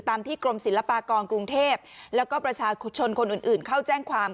ที่กรมศิลปากรกรุงเทพแล้วก็ประชาชนคนอื่นเข้าแจ้งความ